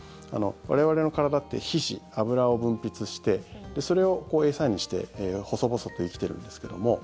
我々の体って皮脂、脂を分泌してそれを餌にして細々と生きているんですけども。